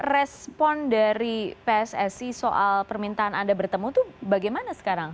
respon dari pssi soal permintaan anda bertemu itu bagaimana sekarang